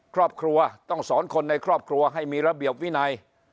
ครอบครัวต้องสอนคนในครอบครัวให้มีระเบียบวินัย